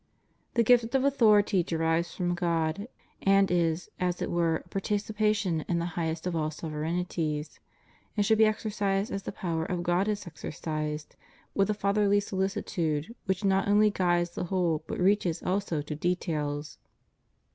The gift of authority derives from God, and is, as it were, a participation in the highest of all sovereignties ; and should be exercised as the power of God is exercised — with a fatherly solicitude which not only guides the whole but reaches also to details.